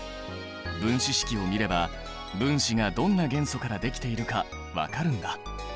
分子式を見れば分子がどんな元素からできているか分かるんだ。